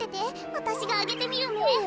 わたしがあげてみるね。